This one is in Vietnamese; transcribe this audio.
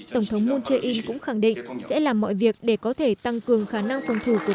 tổng thống moon jae in cũng khẳng định sẽ làm mọi việc để có thể tăng cường khả năng phòng thủ của